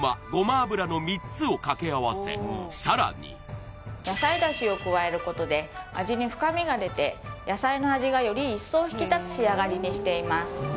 油の３つを掛け合わせさらに野菜出汁を加えることで味に深みが出て野菜の味がより一層引き立つ仕上がりにしています